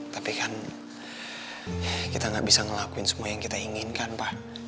tapi kan kita gak bisa ngelakuin semua yang kita inginkan pak